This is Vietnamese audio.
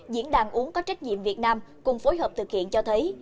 diễn đàn uống có trách nhiệm việt nam cùng phối hợp thực hiện cho thấy